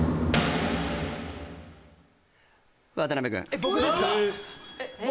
えっ僕ですか？